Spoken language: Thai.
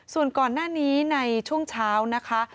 ส่วนก่อนหน้านี้ในช่วงเช้านะคะ